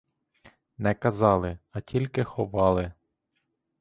Не казали, а тільки ховали.